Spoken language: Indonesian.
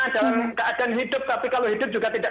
dalam keadaan hidup tapi kalau hidup juga tidak